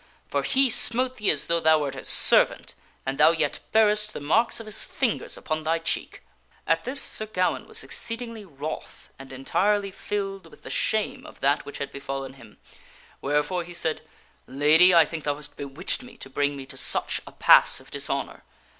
For he smote thee as though thou wert his servant, and thou yet bearest the marks of his fingers upon thy cheek." At this Sir Gawaine was exceedingly wroth and entirely filled with the shame of that which had befallen him, wherefore he said, " Lady, I think thou hast bewitched me to bring me to such a pass of dishonor.